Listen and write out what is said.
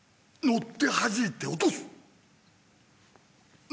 乗ってはじいて出す！